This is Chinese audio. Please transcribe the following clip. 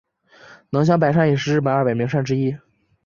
能乡白山也是日本二百名山之一。